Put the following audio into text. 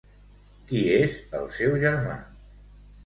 Qui és el seu germà?